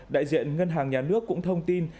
đại diện ngân hàng nhà nước cũng thông tin